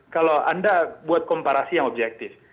kalau anda buat komparasi yang objektif